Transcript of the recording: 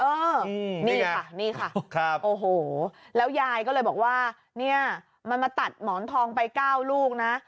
เออนี่ค่ะนี่ค่ะโอ้โหแล้วยายก็เลยบอกว่าเนี่ยมันมาตัดหมอนทองไป๙ลูกนะ